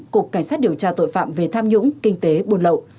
cục cảnh sát điều tra tội phạm về tham nhũng kinh tế buôn lậu